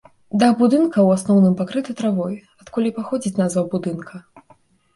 Дах будынка ў асноўным пакрыты травой, адкуль і паходзіць назва будынка.